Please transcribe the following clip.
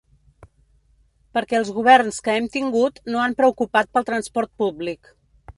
Perquè els governs que hem tingut no han preocupat pel transport públic.